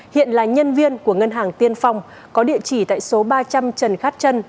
hiện là nhân viên của ngân hàng tiên phong có địa chỉ tại số ba trăm linh trần khát trân